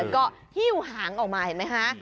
ก็หิ้วหางออกมาเห็นไหมคะ